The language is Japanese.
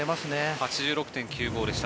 ８６．９５でした。